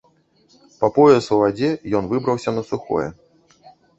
Па пояс у вадзе ён выбраўся на сухое.